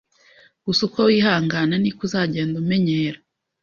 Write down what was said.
gusa uko wihangana niko uzagenda umenyera.